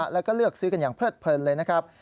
แล้วก็เลือกซื้อกันอย่างเลิดเพลินเลยนะครับ